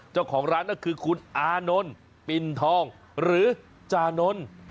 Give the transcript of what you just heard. เจ้าของร้านก็คือคุณอานนท์ปิ่นทองหรือจานนท์